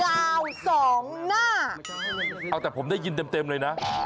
อ้าวแต่ผมได้ยินเต็มเลยนะ